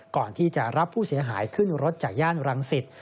ก่อนที่จะรับผู้เสียหายขึ้นรถจากย่านรังสิต